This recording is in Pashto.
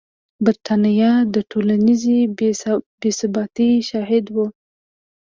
برېټانیا د ټولنیزې بې ثباتۍ شاهده وه.